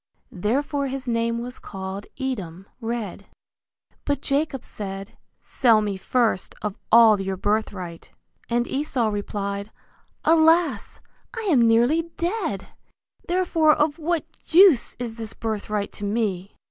(Therefore his name was called Edom, Red.) But Jacob said, Sell me first of all your birthright. And Esau replied, Alas! I am nearly dead, therefore of what use is this birthright to me?